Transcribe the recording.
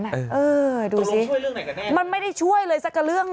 ตรงช่วยเรื่องไหนกันแน่มันไม่ได้ช่วยเลยสักเรื่องเลย